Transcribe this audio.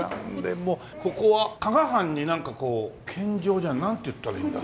ここは加賀藩になんかこう献上じゃないなんて言ったらいいんだろう。